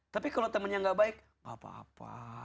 tapi kalau teman yang nggak baik apa apa